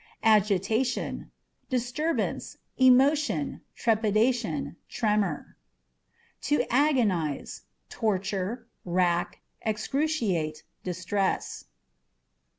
Agitationâ€" disturbance, emotion, trepidation, tremor. To Agonize â€" torture, wrack, excruciate, distress.